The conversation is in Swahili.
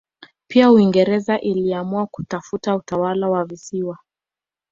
Pia Uingereza iliamua kutafuta utawala wa visiwa